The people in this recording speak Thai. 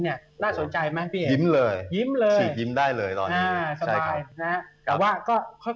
น่าสนใจไหมพี่เอกยิ้มเลยยิ้มเลยฉีกยิ้มได้เลยตอนนี้น่าสบายนะ